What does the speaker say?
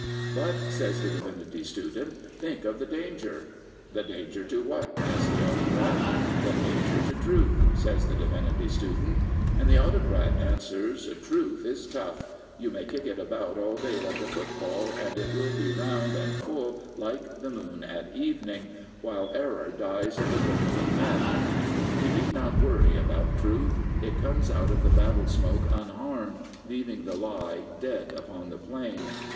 But," says the Divinity Student, " think of the danger." " The danger to what ?" asks the Autocrat. " The danger to Truth," says the Divinity Student. And the Autocrat answers, Truth is tough. You may kick it about all day like a football, and it will be round and full like the moon at evening, while Error ^39 Prophets, Priests, and Kings dies of the prick of a pin/' We need not worry about Truth. It comes out of the battle smoke unharmed, leaving the Lie dead upon the plain.